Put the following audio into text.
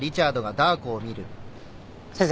先生！